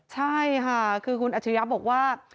ใช่ค่ะคือคุณอัจฉริยะบอกว่า